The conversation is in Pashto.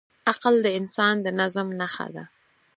عقل د انسان د نظم نښه ده.